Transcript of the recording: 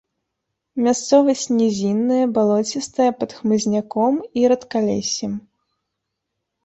Мясцовасць нізінная, балоцістая, пад хмызняком і рэдкалессем.